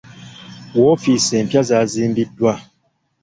Woofiisi empya zaazimbiddwa.